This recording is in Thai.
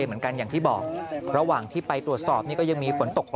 อย่างที่บอกระหว่างที่ไปตรวจสอบนี่ก็ยังมีฝนตก